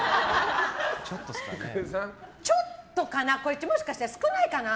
ちょっとかなもしかしたら少ないかな。